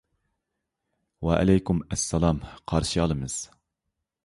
ۋەئەلەيكۇم ئەسسالام، قارشى ئالىمىز.